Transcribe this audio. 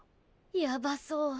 やばそう。